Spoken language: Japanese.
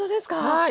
はい。